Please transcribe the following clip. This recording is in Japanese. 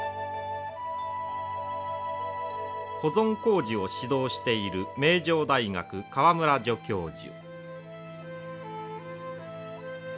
保存工事を指導している名城大学川村助教授。